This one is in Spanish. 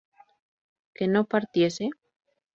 ¿que no partiese?